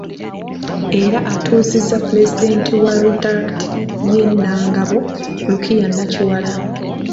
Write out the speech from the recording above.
Era atuuzizza Pulezidenti wa Rotaract ye Nangabo, Lukiya Nakiwala.